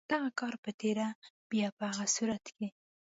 دغه کار په تېره بیا په هغه صورت کې.